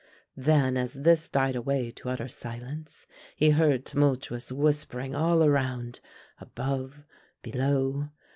Then as this died away to utter silence he heard tumultuous whispering all around, above, below.